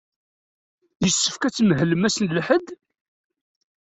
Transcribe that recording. Yessefk ad tmahlem ass n lḥedd?